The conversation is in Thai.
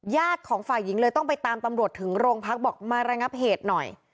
ของฝ่ายหญิงเลยต้องไปตามตำรวจถึงโรงพักบอกมาระงับเหตุหน่อย